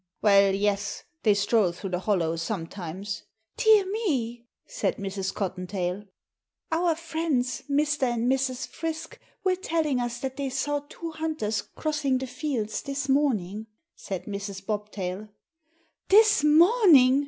"Well, yes. They stroll through the hollow sometimes." "Dear me," said Mrs. Cottontail. "Our friends, Mr. and Mrs. Frisk, were telling us that they saw two hunters crossing the fields this morning," said Mrs. Bobtail. "This morning!"